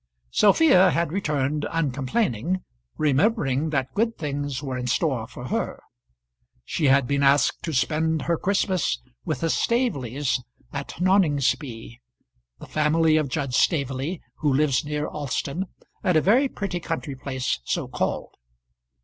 Sophia had returned uncomplaining, remembering that good things were in store for her. She had been asked to spend her Christmas with the Staveleys at Noningsby the family of Judge Staveley, who lives near Alston, at a very pretty country place so called.